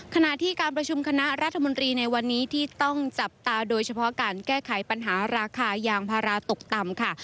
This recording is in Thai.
ขณะที่การประชุมคณะรัฐมนตรีในวันนี้ที่ต้องจับตาโดยเฉพาะการแก้ไขปัญหาราคายางพาราตกต่ำค่ะ